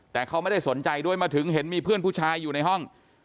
แต่เขาไม่ได้สนใจด้วยมาถึงเห็นมีเพื่อนผู้ชายอยู่ในห้อง